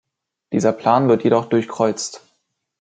Dieser Plan wird jedoch durchkreuzt.